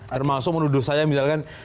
termasuk menuduh saya misalkan